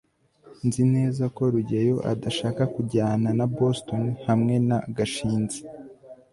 nzi neza ko rugeyo adashaka kujyana na boston hamwe na gashinzi